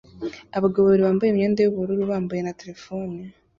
Abagabo babiri bambaye imyenda yubururu bambaye na terefone